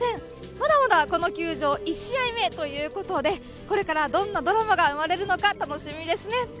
まだまだこの球場１試合目ということでこれからどんなドラマが生まれるのか楽しみですね。